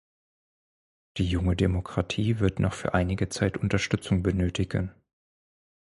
Die junge Demokratie wird noch für einige Zeit Unterstützung benötigen.